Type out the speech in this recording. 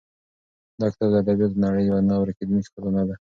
دا کتاب د ادبیاتو د نړۍ یوه نه ورکېدونکې خزانه ده.